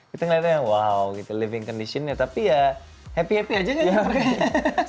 kita ngeliatnya wow gitu living condition ya tapi ya happy happy aja kan mereka